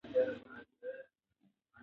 د مور د خوب کمښت ستړيا زياتوي.